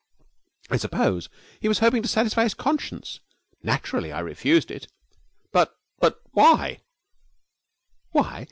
I suppose he was hoping to satisfy his conscience. Naturally I refused it.' 'But but but why?' 'Why!